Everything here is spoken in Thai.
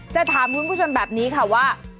จะถามคุณผู้ชมแบบนี้ค่ะว่า